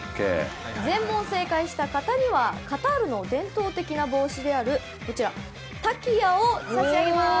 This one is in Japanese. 全問正解した方にはカタールの伝統的な帽子であるこちら、タキヤを差し上げます！